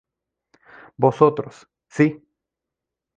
Vosotros, sí".